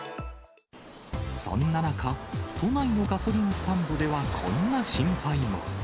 そんな中、都内のガソリンスタンドではこんな心配も。